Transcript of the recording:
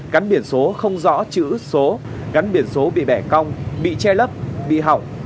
cắn biển số không rõ chữ số gắn biển số bị bẻ cong bị che lấp bị hỏng